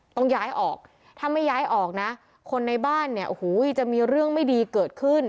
ต้องย้ายออกถ้าไม่ย้ายออกนะคนในบ้านเนี่ยโอ้โหจะมีเรื่องไม่ดีเกิดขึ้น